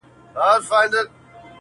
د هر پلار كيسه د زوى په وينو سره ده-